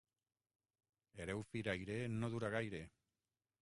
Hereu firaire no dura gaire.